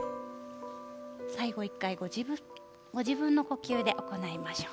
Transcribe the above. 最後、１回ご自分の呼吸で行いましょう。